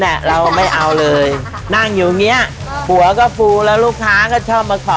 แหละเราไม่เอาเลยนั่งอยู่อย่างเงี้ยหัวก็ฟูแล้วลูกค้าก็ชอบมาขอ